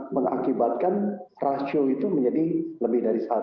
mengakibatkan rasio itu menjadi lebih dari satu